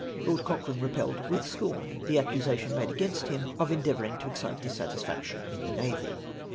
" Lord Cochrane repelled with scorn the accusation made against him of endeavouring to excite dissatisfaction in the navy."